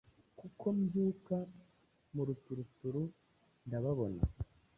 kuko mbyuka muruturuturu ndababona